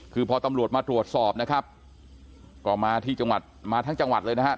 คือพอตำรวจมาตรวจสอบนะครับก็มาทั้งจังหวัดเลยนะครับ